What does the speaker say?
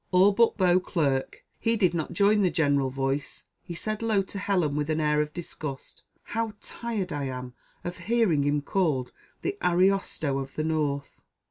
All but Beauclerc; he did not join the general voice; he said low to Helen with an air of disgust "How tired I am of hearing him called 'The Ariosto of the North!